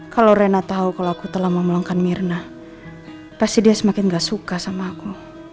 kalo reyna tau kalo aku telah memelengkan mirna pasti dia semakin gak suka sama aku